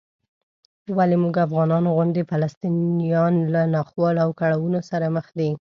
ولې موږ افغانانو غوندې فلسطینیان له ناخوالو او کړاوونو سره مخ دي؟